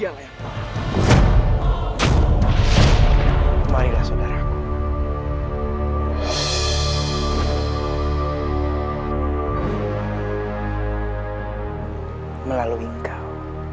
apakah ini adalah karmaku